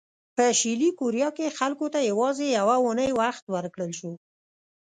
په شلي کوریا کې خلکو ته یوازې یوه اونۍ وخت ورکړل شو.